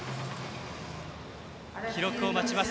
記録を待ちます。